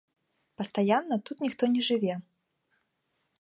Пастаянна тут ніхто не жыве.